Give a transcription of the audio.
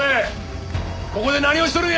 ここで何をしとるんや！？